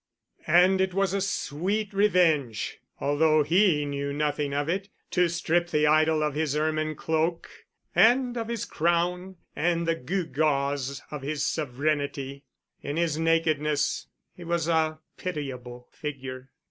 And it was a sweet revenge, although he knew nothing of it, to strip the idol of his ermine cloak, and of his crown, and the gew gaws of his sovereignty. In his nakedness he was a pitiable figure.